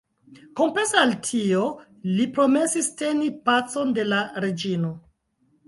Kompense al tio, li promesis teni „pacon de la reĝino“.